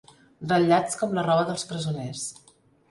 Ratllats com la roba dels presoners.